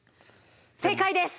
正解です！